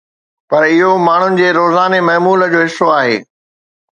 پر اهو ماڻهن جي روزاني معمول جو حصو آهي